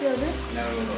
なるほど。